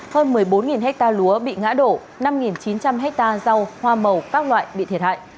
hơn một mươi bốn hectare lúa bị ngã đổ năm chín trăm linh hectare rau hoa màu các loại bị thiệt hại